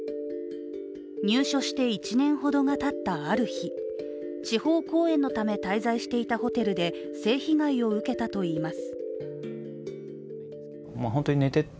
入所して１年ほどがたったある日地方公演のため滞在していたホテルで性被害を受けたといいます。